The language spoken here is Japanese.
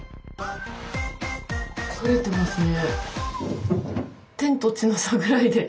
それてますね。